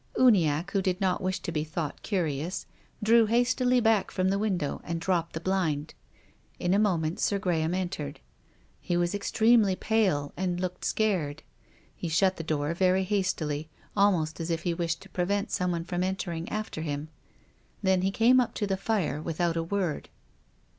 Uniacke, who did not wish to be thought curious, drew hastily back from the win dow and dropped the blind. In a moment Sir Gra THE GRAVE. 89 ham entered. He was extremely pale and looked scared. He shut the door very hastily, almost as if he wished to prevent someone from entering after him. Then he came up to the fire without a word.